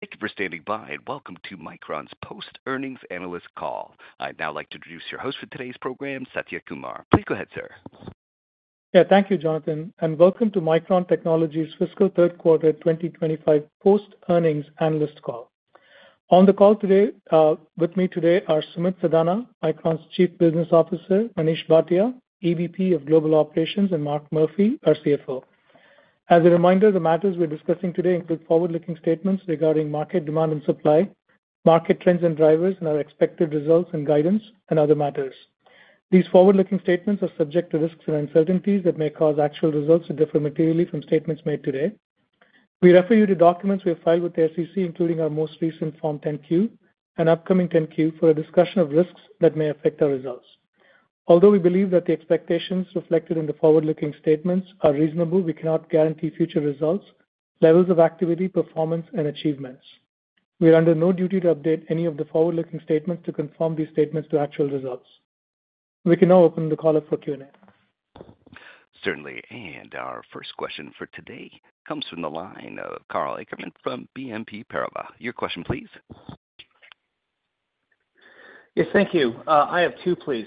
Thank you for standing by, and welcome to Micron's Post-Earnings Analyst Call. I'd now like to introduce your host for today's program, Satya Kumar. Please go ahead, sir. Yeah, thank you, Jonathan, and welcome to Micron Technology's Fiscal Third Quarter 2025 Post-Earnings Analyst Call. On the call today with me are Sumit Sadana, Micron's Chief Business Officer, Manish Bhatia, EVP of Global Operations, and Mark Murphy, our CFO. As a reminder, the matters we're discussing today include forward-looking statements regarding market demand and supply, market trends and drivers, and our expected results and guidance, and other matters. These forward-looking statements are subject to risks and uncertainties that may cause actual results to differ materially from statements made today. We refer you to documents we have filed with the SEC, including our most recent Form 10Q and upcoming 10Q, for a discussion of risks that may affect our results. Although we believe that the expectations reflected in the forward-looking statements are reasonable, we cannot guarantee future results, levels of activity, performance, and achievements. We are under no duty to update any of the forward-looking statements to conform these statements to actual results. We can now open the call up for Q&A. Certainly, and our first question for today comes from the line of Karl Ackerman from BNP Paribas. Your question, please. Yes, thank you. I have two, please.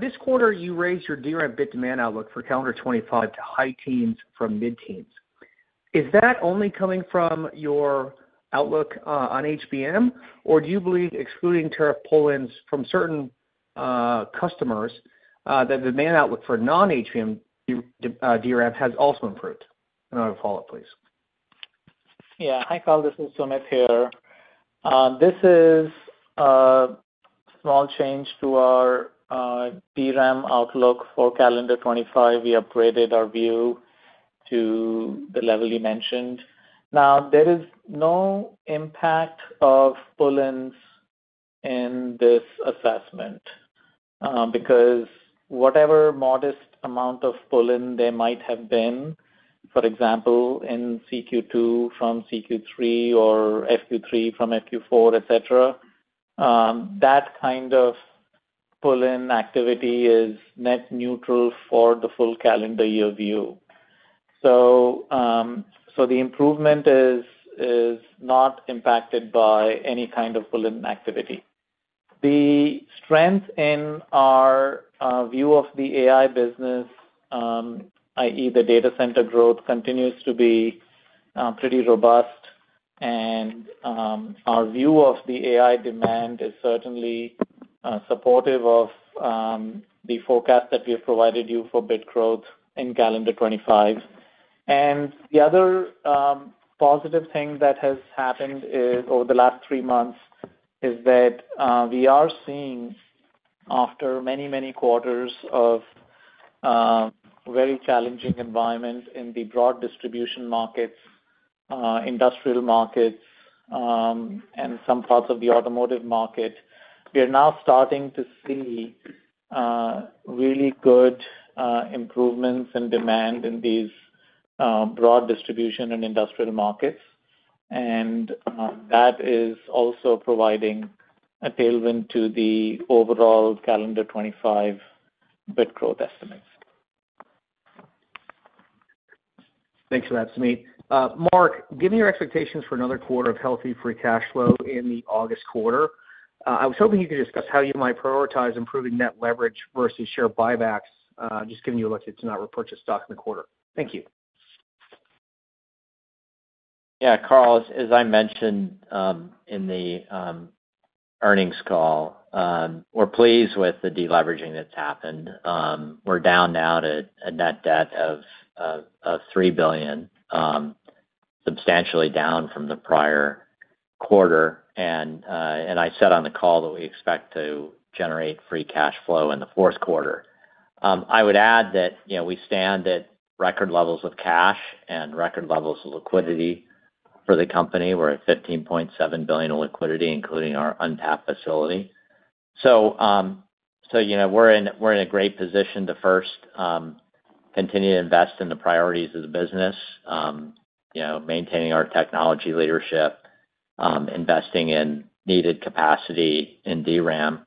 This quarter, you raised your DRAM bit-to-man outlook for calendar 2025 to high teens from mid-teens. Is that only coming from your outlook on HBM, or do you believe excluding tariff pull-ins from certain customers that the man outlook for non-HBM DRAM has also improved? Another follow-up, please. Yeah, hi Karl, this is Sumit here. This is a small change to our DRAM outlook for calendar 2025. We upgraded our view to the level you mentioned. Now, there is no impact of pull-ins in this assessment because whatever modest amount of pull-in there might have been, for example, in CQ2 from CQ3 or FQ3 from FQ4, etc., that kind of pull-in activity is net neutral for the full calendar year view. The improvement is not impacted by any kind of pull-in activity. The strength in our view of the AI business, i.e., the data center growth, continues to be pretty robust, and our view of the AI demand is certainly supportive of the forecast that we have provided you for bit growth in calendar 2025. The other positive thing that has happened over the last three months is that we are seeing, after many, many quarters of very challenging environments in the broad distribution markets, industrial markets, and some parts of the automotive market, we are now starting to see really good improvements in demand in these broad distribution and industrial markets, and that is also providing a tailwind to the overall calendar 2025 bit growth estimates. Thanks for that, Sumit. Mark, given your expectations for another quarter of healthy free cash flow in the August quarter, I was hoping you could discuss how you might prioritize improving net leverage versus share buybacks, just given you look to not repurchase stock in the quarter. Thank you. Yeah, Carl, as I mentioned in the earnings call, we're pleased with the deleveraging that's happened. We're down now to a net debt of $3 billion, substantially down from the prior quarter, and I said on the call that we expect to generate free cash flow in the fourth quarter. I would add that we stand at record levels of cash and record levels of liquidity for the company. We're at $15.7 billion in liquidity, including our untapped facility. We're in a great position to first continue to invest in the priorities of the business, maintaining our technology leadership, investing in needed capacity in DRAM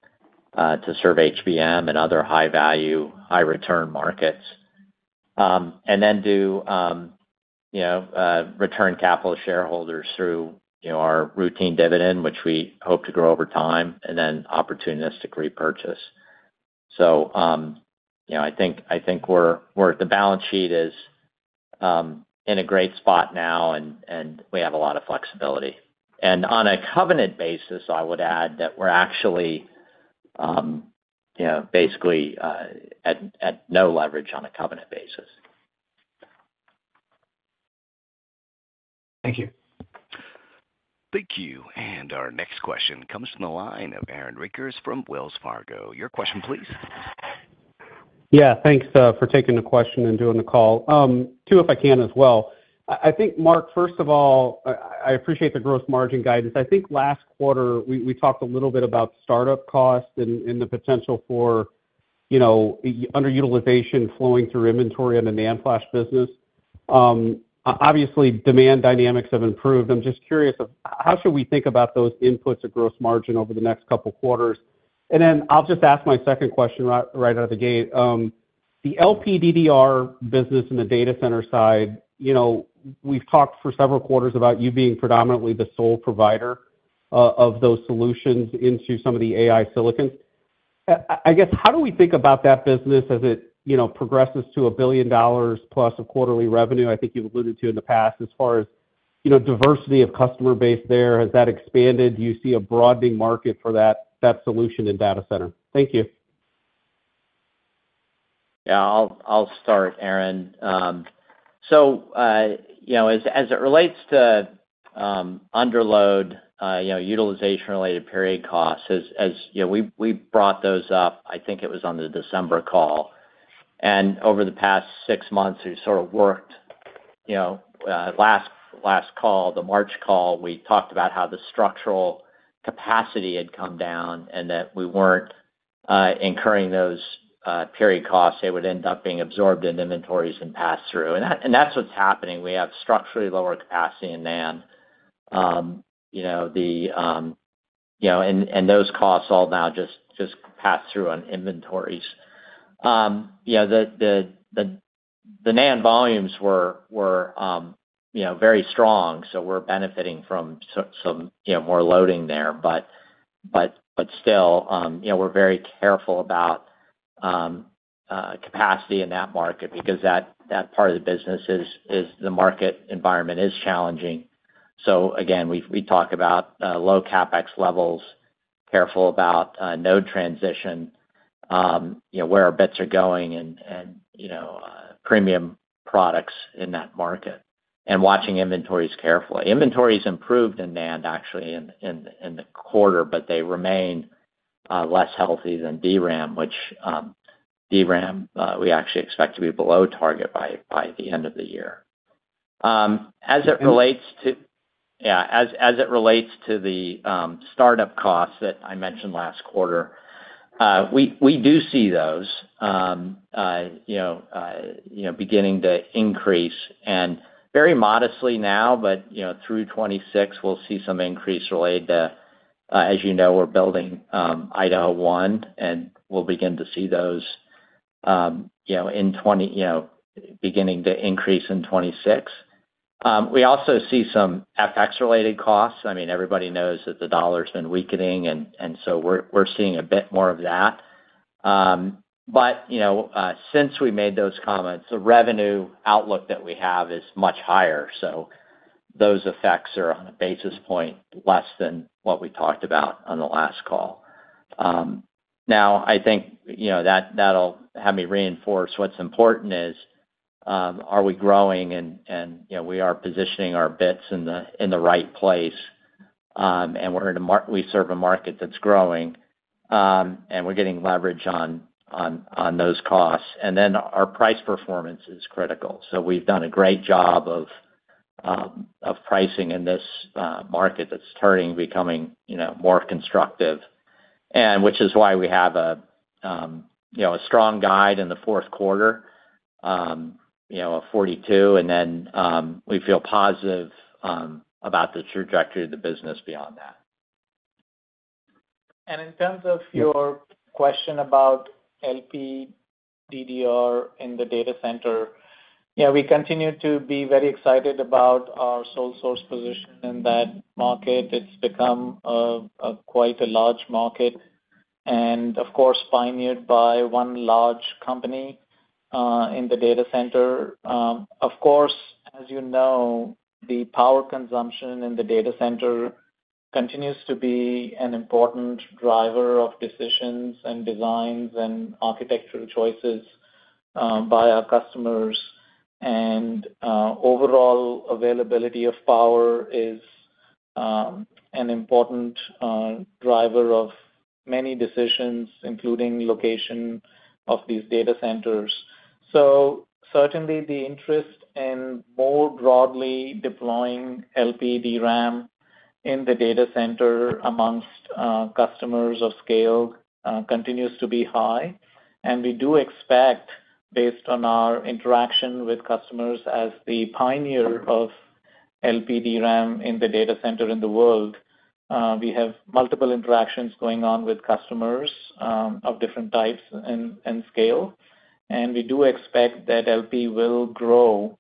to serve HBM and other high-value, high-return markets, and then do return capital shareholders through our routine dividend, which we hope to grow over time, and then opportunistic repurchase. I think the balance sheet is in a great spot now, and we have a lot of flexibility. On a covenant basis, I would add that we're actually basically at no leverage on a covenant basis. Thank you. Thank you, and our next question comes from the line of Aaron Rakers from Wells Fargo. Your question, please. Yeah, thanks for taking the question and doing the call. Two, if I can as well. I think, Mark, first of all, I appreciate the gross margin guidance. I think last quarter, we talked a little bit about startup costs and the potential for underutilization flowing through inventory in the NAND flash business. Obviously, demand dynamics have improved. I'm just curious, how should we think about those inputs of gross margin over the next couple of quarters? I will just ask my second question right out of the gate. The LPDDR business in the data center side, we've talked for several quarters about you being predominantly the sole provider of those solutions into some of the AI silicons. I guess, how do we think about that business as it progresses to a billion dollars plus of quarterly revenue? I think you've alluded to in the past as far as diversity of customer base there. Has that expanded? Do you see a broadening market for that solution in data center? Thank you. Yeah, I'll start, Aaron. As it relates to underload utilization-related period costs, we brought those up. I think it was on the December call. Over the past six months, we sort of worked last call, the March call, we talked about how the structural capacity had come down and that we were not incurring those period costs. They would end up being absorbed in inventories and passed through. That is what is happening. We have structurally lower capacity in NAND, and those costs all now just pass through on inventories. The NAND volumes were very strong, so we are benefiting from some more loading there. Still, we are very careful about capacity in that market because that part of the business is the market environment is challenging. Again, we talk about low CapEx levels, careful about node transition, where our bits are going, and premium products in that market, and watching inventories carefully. Inventories improved in NAND, actually, in the quarter, but they remain less healthy than DRAM, which DRAM we actually expect to be below target by the end of the year. As it relates to, yeah, as it relates to the startup costs that I mentioned last quarter, we do see those beginning to increase and very modestly now, but through 2026, we'll see some increase related to, as you know, we're building Idaho One, and we'll begin to see those beginning to increase in 2026. We also see some FX-related costs. I mean, everybody knows that the dollar's been weakening, and so we're seeing a bit more of that. Since we made those comments, the revenue outlook that we have is much higher. Those effects are on a basis point less than what we talked about on the last call. I think that will have me reinforce what is important, which is, are we growing? We are positioning our bits in the right place, and we serve a market that is growing, and we are getting leverage on those costs. Our price performance is critical. We have done a great job of pricing in this market that is turning, becoming more constructive, which is why we have a strong guide in the fourth quarter, a 42, and we feel positive about the trajectory of the business beyond that. In terms of your question about LPDDR in the data center, yeah, we continue to be very excited about our sole source position in that market. It has become quite a large market and, of course, pioneered by one large company in the data center. Of course, as you know, the power consumption in the data center continues to be an important driver of decisions and designs and architectural choices by our customers. Overall availability of power is an important driver of many decisions, including location of these data centers. Certainly, the interest in more broadly deploying LPDRAM in the data center amongst customers of scale continues to be high. We do expect, based on our interaction with customers as the pioneer of LPDRAM in the data center in the world, we have multiple interactions going on with customers of different types and scale. We do expect that LP will grow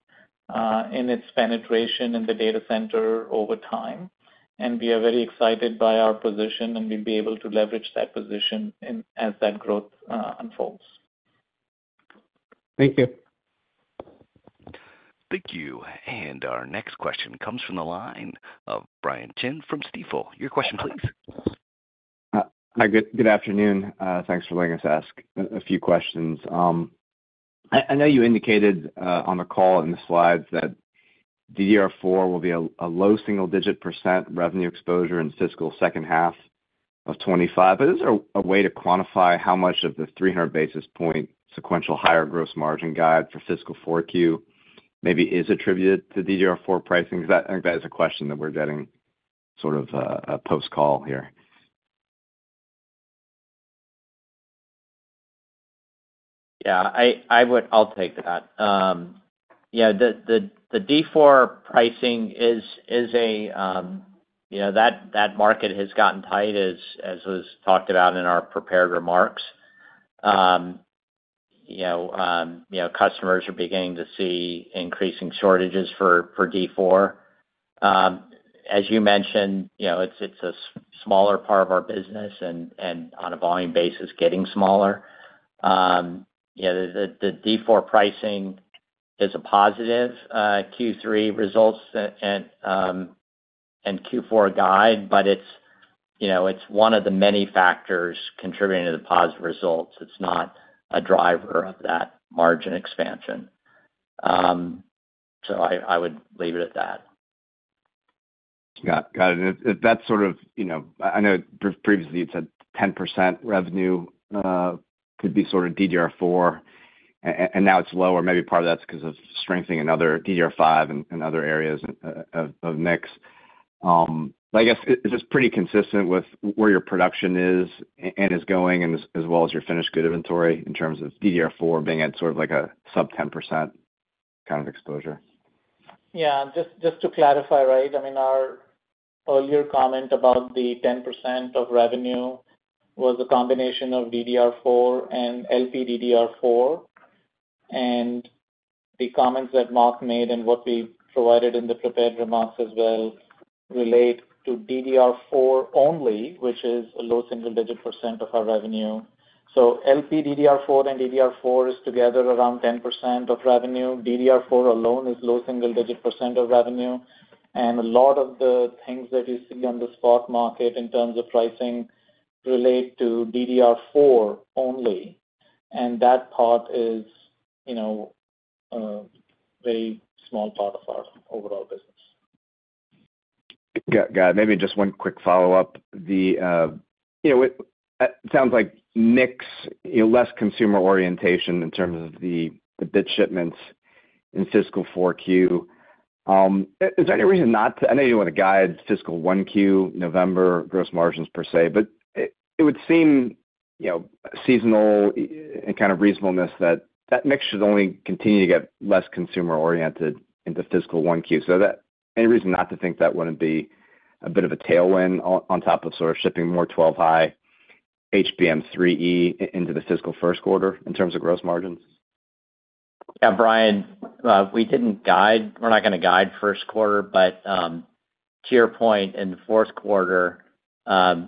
in its penetration in the data center over time. We are very excited by our position, and we'll be able to leverage that position as that growth unfolds. Thank you. Thank you. Our next question comes from the line of Brian Chin from Stifel. Your question, please. Hi, good afternoon. Thanks for letting us ask a few questions. I know you indicated on the call in the slides that DDR4 will be a low single-digit percent revenue exposure in fiscal second half of 2025. Is there a way to quantify how much of the 300 basis point sequential higher gross margin guide for fiscal 4Q maybe is attributed to DDR4 pricing? I think that is a question that we're getting sort of post-call here. Yeah, I'll take that. Yeah, the DDR4 pricing is a that market has gotten tight, as was talked about in our prepared remarks. Customers are beginning to see increasing shortages for DDR4. As you mentioned, it's a smaller part of our business and on a volume basis getting smaller. The DDR4 pricing is a positive Q3 results and Q4 guide, but it's one of the many factors contributing to the positive results. It's not a driver of that margin expansion. I would leave it at that. Got it. That's sort of, I know previously you'd said 10% revenue could be sort of DDR4, and now it's lower. Maybe part of that's because of strengthening in other DDR5 and other areas of mix. I guess, is this pretty consistent with where your production is and is going, as well as your finished good inventory in terms of DDR4 being at sort of like a sub-10% kind of exposure? Yeah, just to clarify, right? I mean, our earlier comment about the 10% of revenue was a combination of DDR4 and LPDDR4. The comments that Mark made and what we provided in the prepared remarks as well relate to DDR4 only, which is a low single-digit percent of our revenue. LPDDR4 and DDR4 together is around 10% of revenue. DDR4 alone is a low single-digit percent of revenue. A lot of the things that you see on the spot market in terms of pricing relate to DDR4 only. That part is a very small part of our overall business. Got it. Maybe just one quick follow-up. It sounds like mixed, less consumer orientation in terms of the bit shipments in fiscal 4Q. Is there any reason not to—I know you want to guide fiscal 1Q, November gross margins per se, but it would seem seasonal and kind of reasonableness that that mix should only continue to get less consumer oriented into fiscal 1Q. Is there any reason not to think that would not be a bit of a tailwind on top of sort of shipping more 12-high HBM3E into the fiscal first quarter in terms of gross margins? Yeah, Brian, we did not guide—we are not going to guide first quarter. To your point, in the fourth quarter,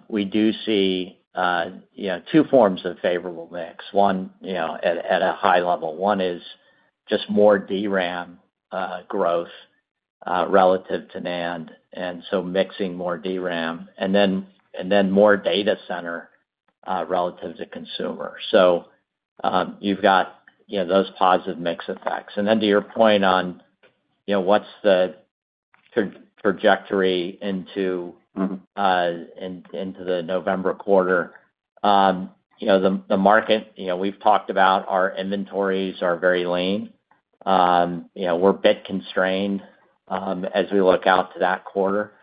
we do see two forms of favorable mix. One at a high level. One is just more DRAM growth relative to NAND, and so mixing more DRAM, and then more data center relative to consumer. You have those positive mix effects. To your point on what is the trajectory into the November quarter, the market, we have talked about our inventories are very lean. We are bit constrained as we look out to that quarter.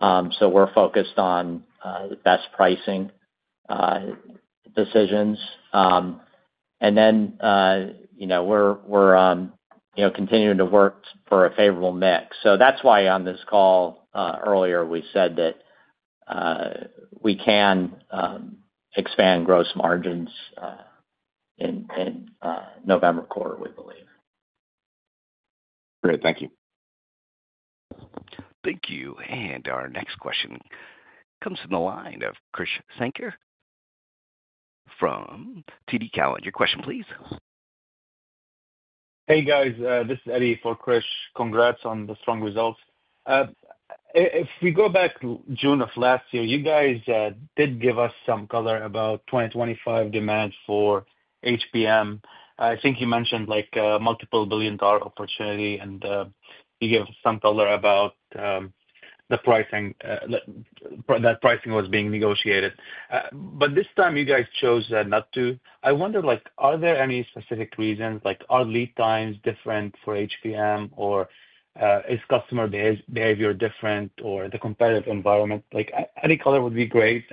We are focused on the best pricing decisions. We are continuing to work for a favorable mix. That is why on this call earlier, we said that we can expand gross margins in November quarter, we believe. Great. Thank you. Thank you. Our next question comes from the line of Krish Sankar from TD Cowen. Question, please. Hey, guys. This is Eddy for Krish. Congrats on the strong results. If we go back to June of last year, you guys did give us some color about 2025 demand for HBM. I think you mentioned multiple billion-dollar opportunity, and you gave us some color about that pricing was being negotiated. This time, you guys chose not to. I wonder, are there any specific reasons? Are lead times different for HBM, or is customer behavior different, or the competitive environment? Any color would be great.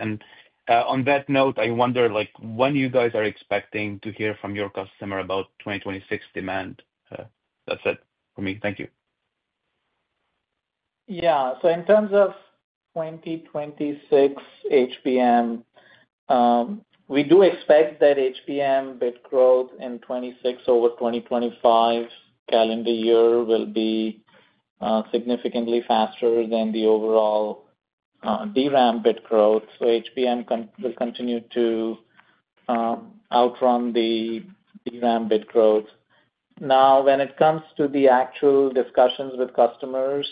On that note, I wonder when you guys are expecting to hear from your customer about 2026 demand? That's it for me. Thank you. Yeah. In terms of 2026 HBM, we do expect that HBM bit growth in 2026 over 2025 calendar year will be significantly faster than the overall DRAM bit growth. HBM will continue to outrun the DRAM bit growth. Now, when it comes to the actual discussions with customers,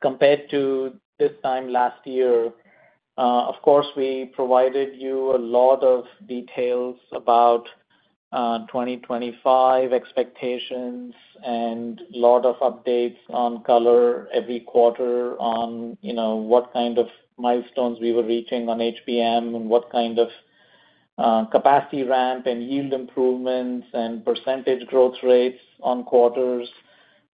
compared to this time last year, of course, we provided you a lot of details about 2025 expectations and a lot of updates on color every quarter on what kind of milestones we were reaching on HBM and what kind of capacity ramp and yield improvements and percentage growth rates on quarters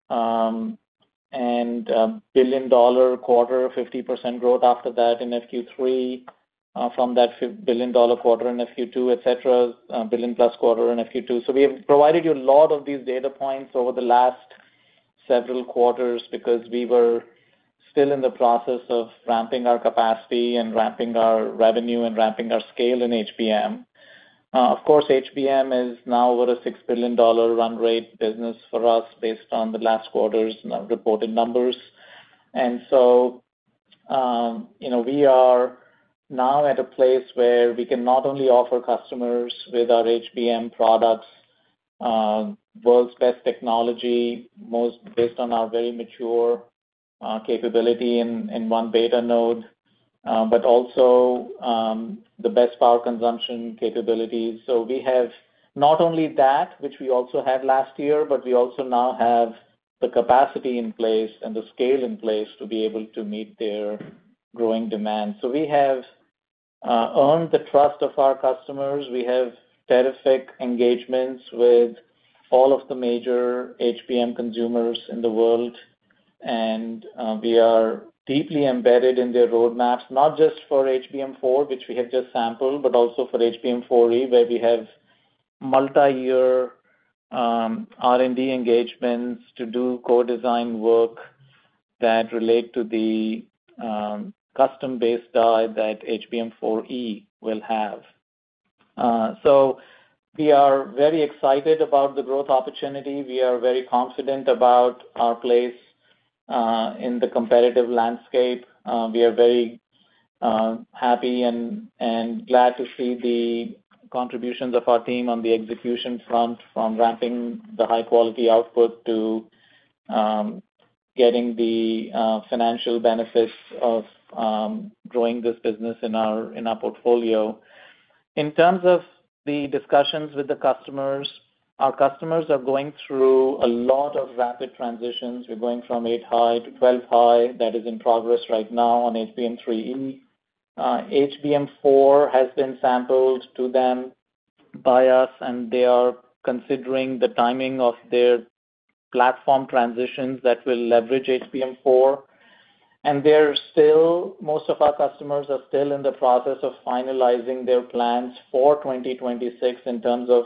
and billion-dollar quarter, 50% growth after that in FQ3, from that billion-dollar quarter in FQ2, etc., billion-plus quarter in FQ2. We have provided you a lot of these data points over the last several quarters because we were still in the process of ramping our capacity and ramping our revenue and ramping our scale in HBM. Of course, HBM is now over a $6 billion run rate business for us based on the last quarter's reported numbers. We are now at a place where we can not only offer customers with our HBM products, world's best technology, most based on our very mature capability in 1-beta node, but also the best power consumption capabilities. We have not only that, which we also had last year, but we also now have the capacity in place and the scale in place to be able to meet their growing demand. We have earned the trust of our customers. We have terrific engagements with all of the major HBM consumers in the world. We are deeply embedded in their roadmaps, not just for HBM4, which we have just sampled, but also for HBM4E, where we have multi-year R&D engagements to do co-design work that relate to the custom base die that HBM4E will have. We are very excited about the growth opportunity. We are very confident about our place in the competitive landscape. We are very happy and glad to see the contributions of our team on the execution front, from ramping the high-quality output to getting the financial benefits of growing this business in our portfolio. In terms of the discussions with the customers, our customers are going through a lot of rapid transitions. We're going from 8-high to 12-high. That is in progress right now on HBM3E. HBM4 has been sampled to them by us, and they are considering the timing of their platform transitions that will leverage HBM4. Most of our customers are still in the process of finalizing their plans for 2026 in terms of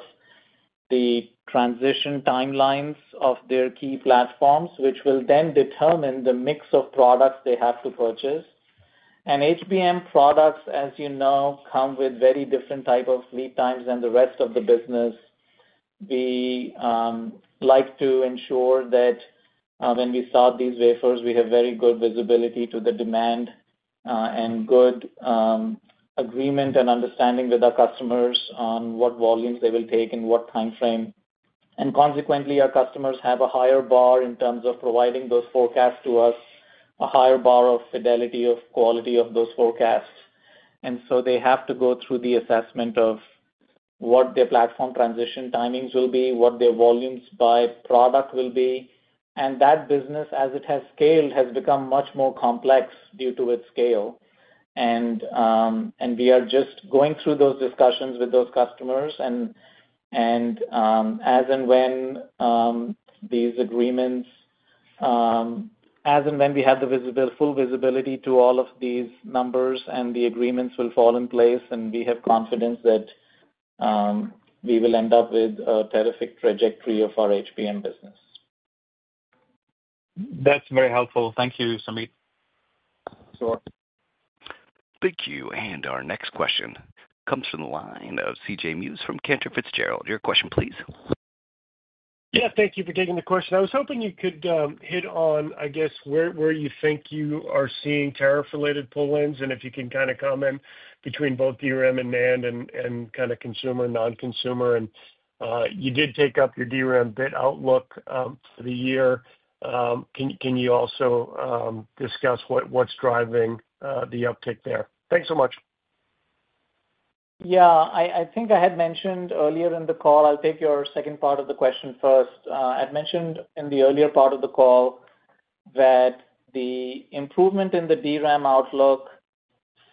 the transition timelines of their key platforms, which will then determine the mix of products they have to purchase. HBM products, as you know, come with very different types of lead times than the rest of the business. We like to ensure that when we start these wafers, we have very good visibility to the demand and good agreement and understanding with our customers on what volumes they will take and what time frame. Consequently, our customers have a higher bar in terms of providing those forecasts to us, a higher bar of fidelity, of quality of those forecasts. They have to go through the assessment of what their platform transition timings will be, what their volumes by product will be. That business, as it has scaled, has become much more complex due to its scale. We are just going through those discussions with those customers. As and when we have the full visibility to all of these numbers and the agreements fall in place, we have confidence that we will end up with a terrific trajectory of our HBM business. That's very helpful. Thank you, Sumit. Sure. Thank you. Our next question comes from the line of CJ Muse from Cantor Fitzgerald. Your question, please. Yeah. Thank you for taking the question. I was hoping you could hit on, I guess, where you think you are seeing tariff-related pull-ins, and if you can kind of comment between both DRAM and NAND and kind of consumer, non-consumer. You did take up your DRAM bit outlook for the year. Can you also discuss what's driving the uptick there? Thanks so much. Yeah. I think I had mentioned earlier in the call—I will take your second part of the question first. I had mentioned in the earlier part of the call that the improvement in the DRAM outlook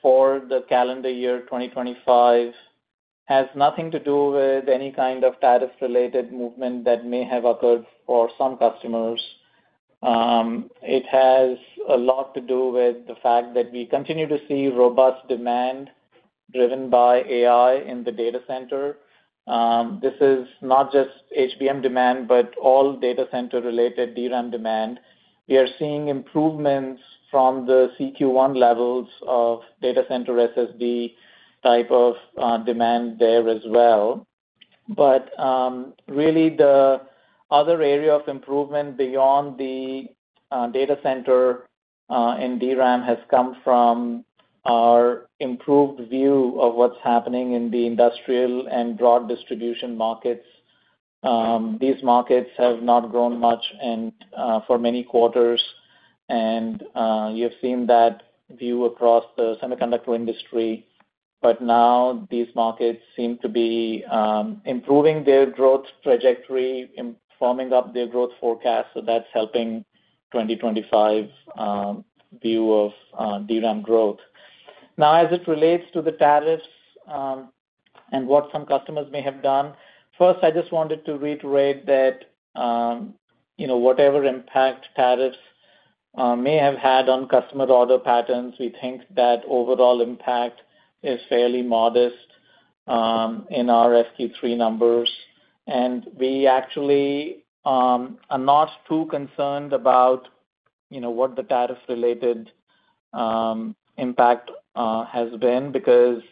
for the calendar year 2025 has nothing to do with any kind of tariff-related movement that may have occurred for some customers. It has a lot to do with the fact that we continue to see robust demand driven by AI in the data center. This is not just HBM demand, but all data center-related DRAM demand. We are seeing improvements from the CQ1 levels of data center SSD type of demand there as well. Really, the other area of improvement beyond the data center and DRAM has come from our improved view of what is happening in the industrial and broad distribution markets. These markets have not grown much for many quarters. You have seen that view across the semiconductor industry. These markets seem to be improving their growth trajectory, forming up their growth forecast. That is helping the 2025 view of DRAM growth. As it relates to the tariffs and what some customers may have done, first, I just wanted to reiterate that whatever impact tariffs may have had on customer order patterns, we think that overall impact is fairly modest in our SQ3 numbers. We actually are not too concerned about what the tariff-related impact has been because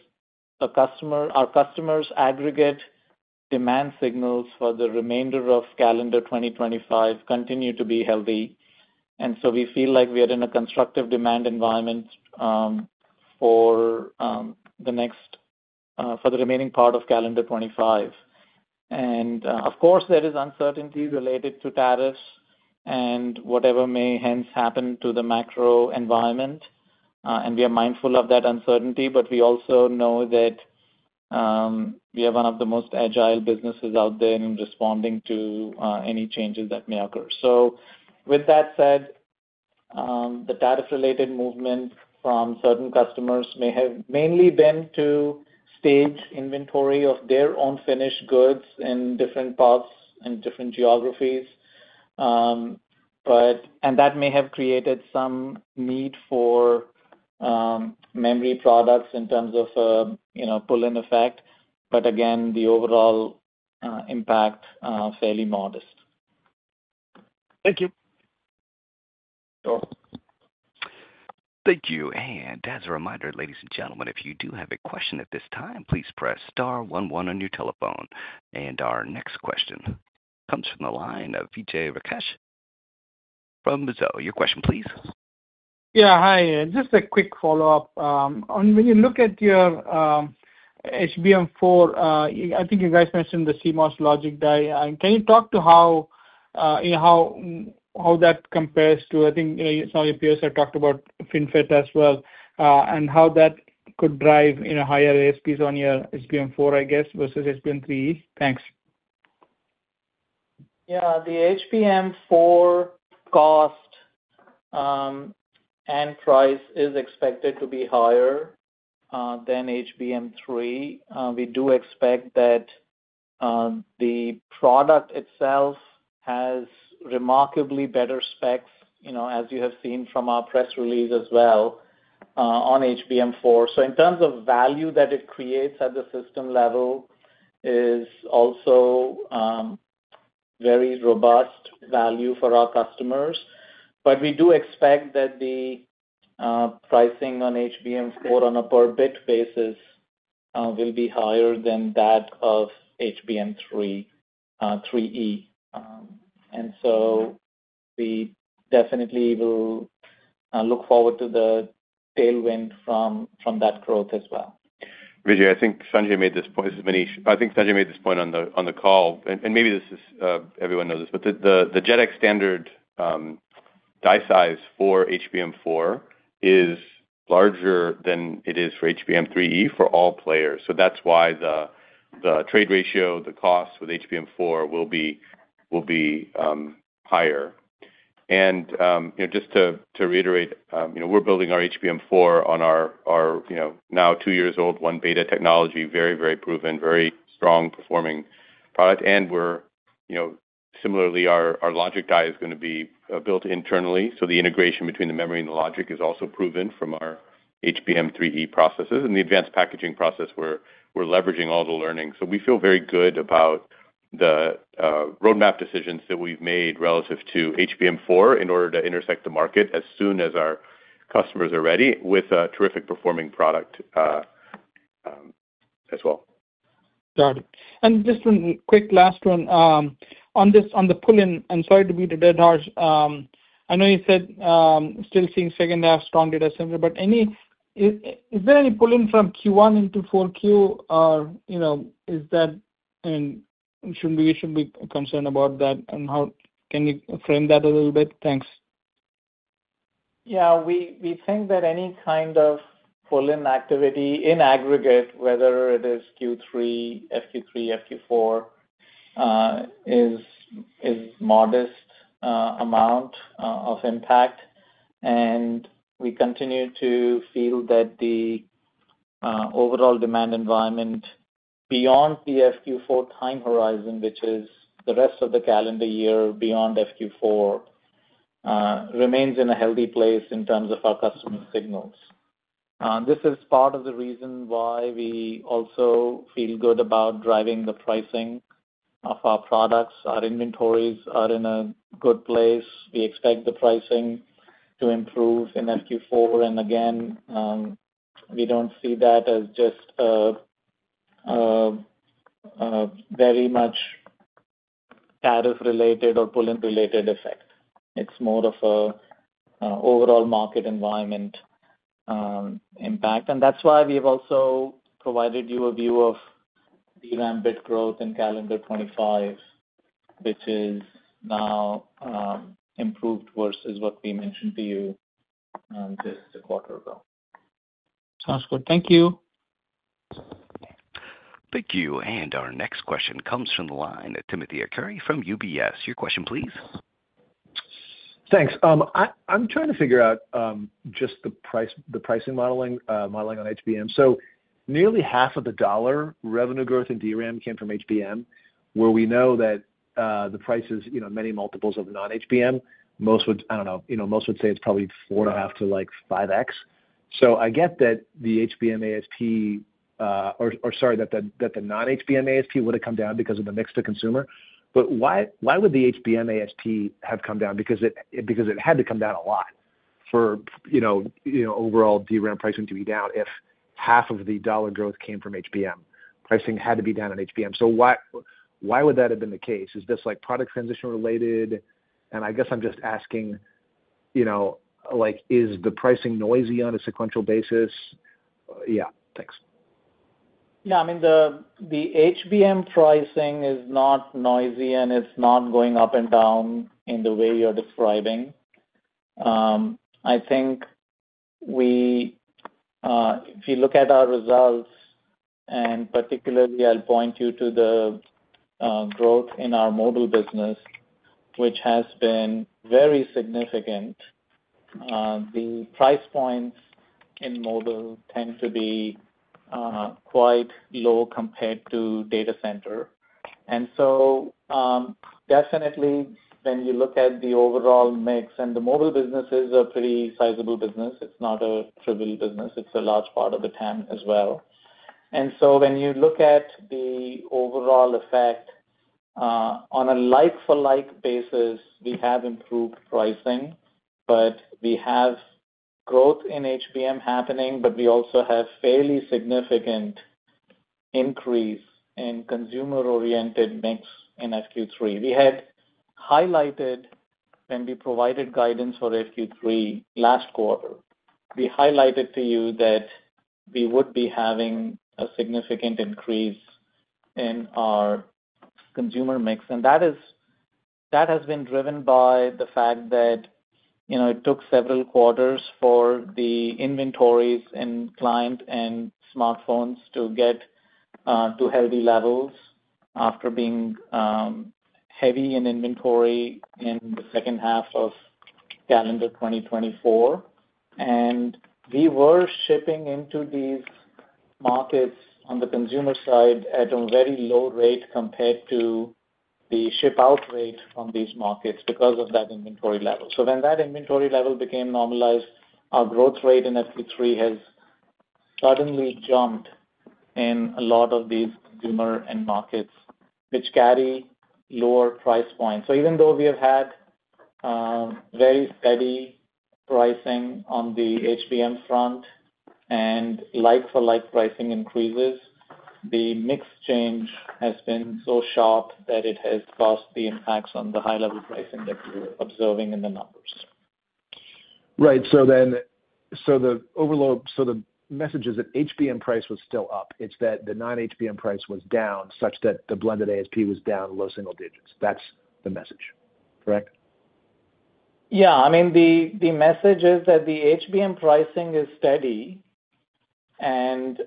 our customers' aggregate demand signals for the remainder of calendar 2025 continue to be healthy. We feel like we are in a constructive demand environment for the remaining part of calendar 2025. Of course, there is uncertainty related to tariffs and whatever may hence happen to the macro environment. We are mindful of that uncertainty, but we also know that we are one of the most agile businesses out there in responding to any changes that may occur. With that said, the tariff-related movement from certain customers may have mainly been to stage inventory of their own finished goods in different parts and different geographies. That may have created some need for memory products in terms of pull-in effect. Again, the overall impact is fairly modest. Thank you. Sure. Thank you. As a reminder, ladies and gentlemen, if you do have a question at this time, please press star one one on your telephone. Our next question comes from the line of Vijay Rakesh from Mizuho. Your question, please. Yeah. Hi, just a quick follow-up. When you look at your HBM4, I think you guys mentioned the CMOS logic die. Can you talk to how that compares to—I think some of your peers have talked about FinFET as well—and how that could drive higher ASPs on your HBM4, I guess, versus HBM3E? Thanks. Yeah. The HBM4 cost and price is expected to be higher than HBM3. We do expect that the product itself has remarkably better specs, as you have seen from our press release as well on HBM4. In terms of value that it creates at the system level, it is also very robust value for our customers. We do expect that the pricing on HBM4 on a per-bit basis will be higher than that of HBM3E. We definitely will look forward to the tailwind from that growth as well. Vijay, I think Sanjay made this point. This is Manish. I think Sanjay made this point on the call. Maybe everyone knows this, but the JEDEC standard die size for HBM4 is larger than it is for HBM3E for all players. That is why the trade ratio, the cost with HBM4 will be higher. Just to reiterate, we're building our HBM4 on our now two-years-old one-beta technology, very, very proven, very strong-performing product. Similarly, our logic die is going to be built internally. The integration between the memory and the logic is also proven from our HBM3E processes. The advanced packaging process, we're leveraging all the learning. We feel very good about the roadmap decisions that we've made relative to HBM4 in order to intersect the market as soon as our customers are ready with a terrific-performing product as well. Got it. Just one quick last one on the pull-in. Sorry to be the dead horse. I know you said still seeing second-half strong data center, but is there any pull-in from Q1 into Q4? Should we be concerned about that? How can you frame that a little bit? Thanks. Yeah. We think that any kind of pull-in activity in aggregate, whether it is Q3, FQ3, FQ4, is a modest amount of impact. We continue to feel that the overall demand environment beyond the FQ4 time horizon, which is the rest of the calendar year beyond FQ4, remains in a healthy place in terms of our customer signals. This is part of the reason why we also feel good about driving the pricing of our products. Our inventories are in a good place. We expect the pricing to improve in FQ4. We do not see that as just a very much tariff-related or pull-in-related effect. It is more of an overall market environment impact. That is why we have also provided you a view of DRAM bit growth in calendar 2025, which is now improved versus what we mentioned to you just a quarter ago. Sounds good. Thank you. Thank you. Our next question comes from the line of Timothy Arcuri from UBS. Your question, please. Thanks. I'm trying to figure out just the pricing modeling on HBM. So nearly half of the dollar revenue growth in DRAM came from HBM, where we know that the price is many multiples of non-HBM. I don't know. Most would say it's probably four and a half to five X. I get that the HBM ASP—or sorry, that the non-HBM ASP would have come down because of the mixed-to-consumer. Why would the HBM ASP have come down? Because it had to come down a lot for overall DRAM pricing to be down if half of the dollar growth came from HBM. Pricing had to be down on HBM. Why would that have been the case? Is this product transition-related? I guess I'm just asking, is the pricing noisy on a sequential basis? Yeah. Thanks. Yeah. I mean, the HBM pricing is not noisy, and it's not going up and down in the way you're describing. I think if you look at our results, and particularly, I'll point you to the growth in our mobile business, which has been very significant. The price points in mobile tend to be quite low compared to data center. Definitely, when you look at the overall mix, and the mobile business is a pretty sizable business. It's not a trivial business. It's a large part of the TAM as well. When you look at the overall effect, on a like-for-like basis, we have improved pricing, but we have growth in HBM happening, but we also have fairly significant increase in consumer-oriented mix in FQ3. We had highlighted when we provided guidance for FQ3 last quarter. We highlighted to you that we would be having a significant increase in our consumer mix. That has been driven by the fact that it took several quarters for the inventories in client and smartphones to get to healthy levels after being heavy in inventory in the second half of calendar 2024. We were shipping into these markets on the consumer side at a very low rate compared to the ship-out rate on these markets because of that inventory level. When that inventory level became normalized, our growth rate in FQ3 has suddenly jumped in a lot of these consumer end markets, which carry lower price points. Even though we have had very steady pricing on the HBM front and like-for-like pricing increases, the mix change has been so sharp that it has caused the impacts on the high-level pricing that we're observing in the numbers. Right. So the message is that HBM price was still up. It's that the non-HBM price was down such that the blended ASP was down low single digits. That's the message, correct? Yeah. I mean, the message is that the HBM pricing is steady, and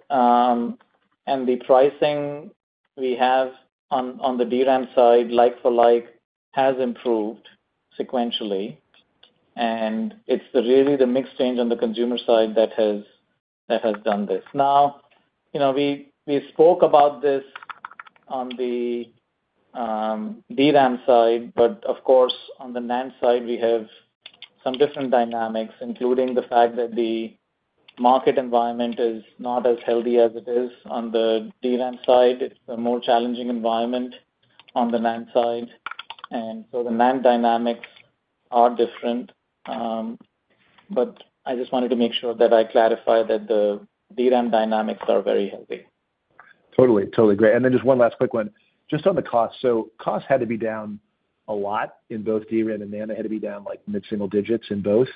the pricing we have on the DRAM side, like-for-like, has improved sequentially. It is really the mixed change on the consumer side that has done this. Now, we spoke about this on the DRAM side, but of course, on the NAND side, we have some different dynamics, including the fact that the market environment is not as healthy as it is on the DRAM side. It is a more challenging environment on the NAND side. The NAND dynamics are different. I just wanted to make sure that I clarify that the DRAM dynamics are very healthy. Totally. Totally great. Just one last quick one. Just on the cost. Cost had to be down a lot in both DRAM and NAND. It had to be down like mid-single digits in both.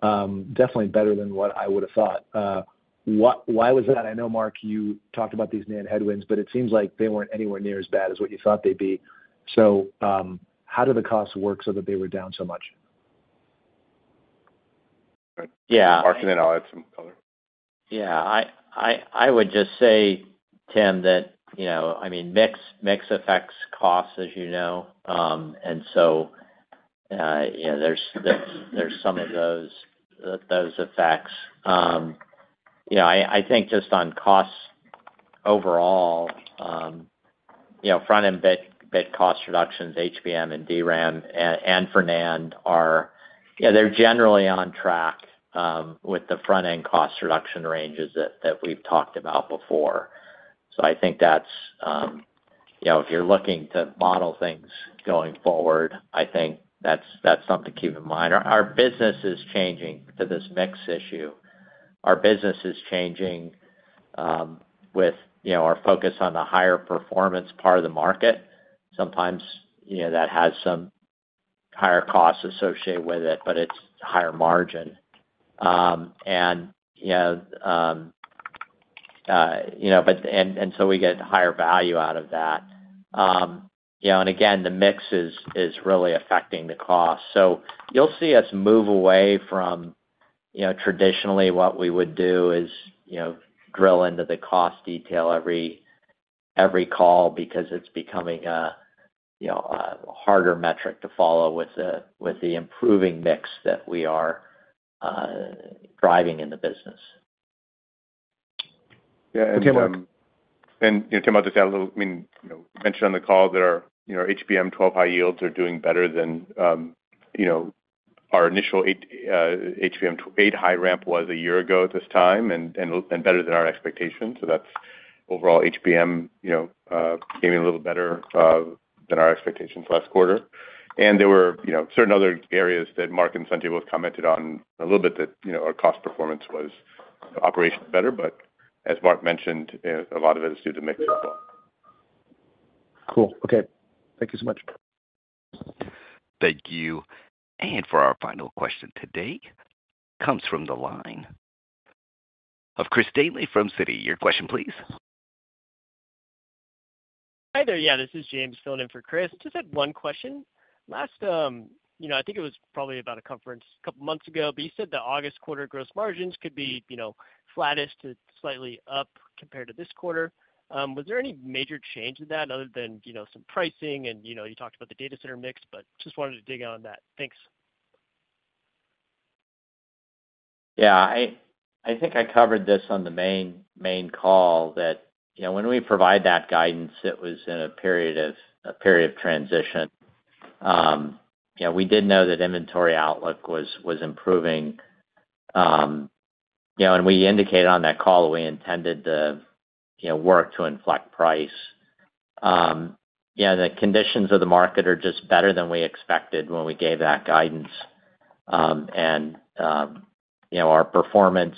Definitely better than what I would have thought. Why was that? I know, Mark, you talked about these NAND headwinds, but it seems like they were not anywhere near as bad as what you thought they would be. How did the cost work so that they were down so much? Yeah. Mark and then I'll add some color. Yeah. I would just say, Tim, that I mean, mix affects cost, as you know. And so there's some of those effects. I think just on cost overall, front-end bit cost reductions, HBM and DRAM and for NAND, they're generally on track with the front-end cost reduction ranges that we've talked about before. I think that's if you're looking to model things going forward, I think that's something to keep in mind. Our business is changing to this mix issue. Our business is changing with our focus on the higher performance part of the market. Sometimes that has some higher costs associated with it, but it's higher margin. We get higher value out of that. Again, the mix is really affecting the cost. You'll see us move away from traditionally what we would do is drill into the cost detail every call because it's becoming a harder metric to follow with the improving mix that we are driving in the business. Yeah. Tim, I'll just add a little—I mean, you mentioned on the call that our HBM 12-high yields are doing better than our initial HBM 8-high ramp was a year ago at this time and better than our expectations. That is overall HBM gave me a little better than our expectations last quarter. There were certain other areas that Mark and Sanjay both commented on a little bit that our cost performance was operationally better. As Mark mentioned, a lot of it is due to mix as well. Cool. Okay. Thank you so much. Thank you. For our final question today, it comes from the line of Chris Danely from Citi. Your question, please. Hi there. Yeah. This is James filling in for Chris. Just had one question. Last, I think it was probably about a couple of months ago, but you said the August quarter gross margins could be flattest to slightly up compared to this quarter. Was there any major change in that other than some pricing? You talked about the data center mix, but just wanted to dig on that. Thanks. Yeah. I think I covered this on the main call that when we provide that guidance, it was in a period of transition. We did know that inventory outlook was improving. We indicated on that call that we intended to work to inflect price. The conditions of the market are just better than we expected when we gave that guidance. Our performance,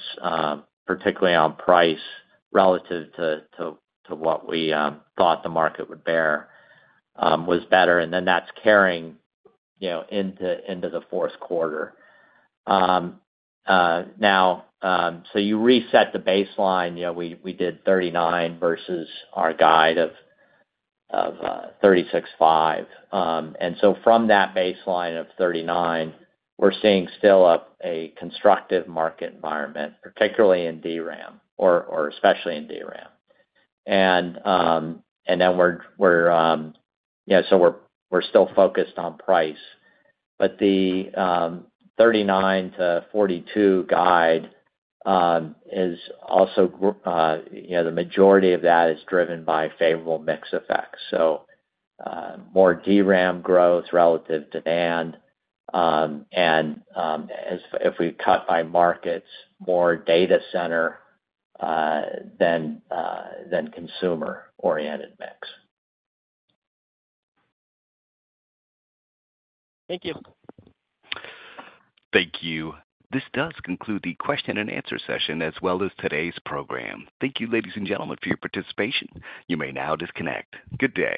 particularly on price relative to what we thought the market would bear, was better. That is carrying into the fourth quarter. Now, you reset the baseline. We did 39 versus our guide of 36.5. From that baseline of 39, we are seeing still a constructive market environment, particularly in DRAM, or especially in DRAM. We are still focused on price. The 39-42 guide is also—the majority of that is driven by favorable mix effects. More DRAM growth relative to NAND. And if we cut by markets, more data center than consumer-oriented mix. Thank you. Thank you. This does conclude the question and answer session as well as today's program. Thank you, ladies and gentlemen, for your participation. You may now disconnect. Good day.